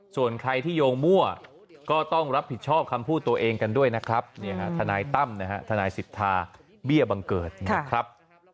ส่วนใครที่โยงมั่วก็ต้องรับผิดชอบคำพูดตัวเองกันด้วยนะครับทนายตั้มนะฮะทนายสิทธาเบี้ยบังเกิดนะครับ